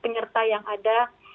penyerta yang ada